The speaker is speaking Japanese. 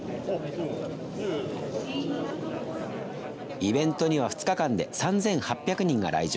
イベントには２日間で３８００人が来場。